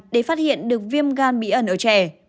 để phát hiện được viêm gan bí ẩn ở trẻ